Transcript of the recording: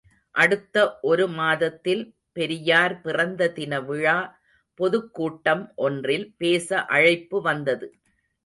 அடுத்த ஒரு மாதத்தில் பெரியார் பிறந்த தினவிழா பொதுக்கூட்டம் ஒன்றில் பேச அழைப்பு வந்தது.